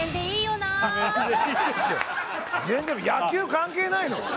野球関係ないの？